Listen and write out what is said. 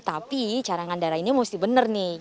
tapi carangan darah ini mesti bener nih